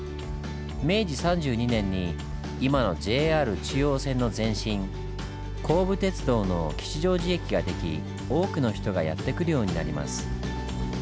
明治３２年に今のＪＲ中央線の前身甲武鉄道の吉祥寺駅が出来多くの人がやって来るようになります。